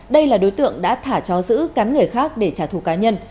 đây là đối tượng đã thả chó giữ cắn người khác để trả thù cá nhân